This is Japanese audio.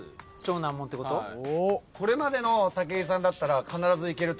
これまでの武井さんだったら。